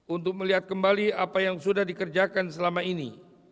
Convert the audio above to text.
untuk melihat kembali apa yang sudah dikerjakan selama ini